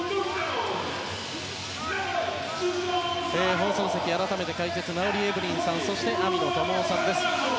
放送席、改めて解説は馬瓜エブリンさんそして網野友雄さんです。